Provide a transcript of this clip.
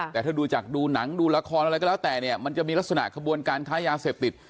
แต่ถ้าดูจากดูหนังดูละครอะไรก็แล้วแต่เนี่ยมันจะมีลักษณะขบวนการค้ายาเสพติด